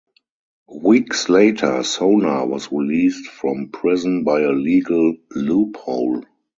Weeks later, Sonar was released from prison by a legal loophole.